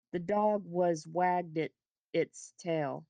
The dog was wagged its tail.